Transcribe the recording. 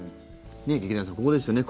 劇団さん、ここですよね